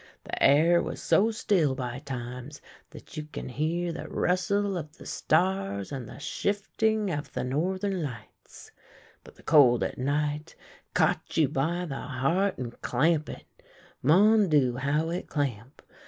The air was so still by times that you can hear the rustle of the stars and the shifting of the northern lights ; but the cold at night caught you by the heart and clamp it — Mon Dieii! how it clamp!